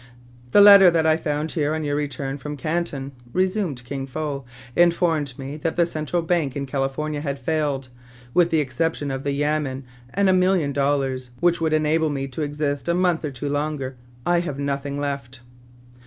"The letter that I found here on our return from Canton," resumed Kin Fo, "informed me that the Central Bank in California had failed. With the exception of the yamen and a million dollars, which would enable me to exist a month or two longer, I have nothing left."